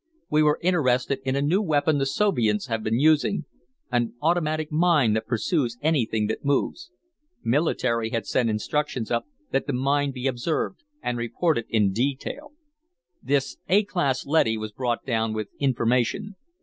We were interested in a new weapon the Soviets have been using, an automatic mine that pursues anything that moves. Military had sent instructions up that the mine be observed and reported in detail. "This A class leady was brought down with information.